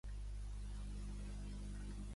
Dimecres en Martí va a Assuévar.